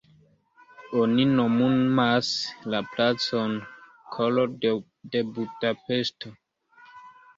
Oni nomumas la placon "koro de Budapeŝto".